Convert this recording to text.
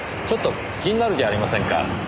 ちょっと気になるじゃありませんか。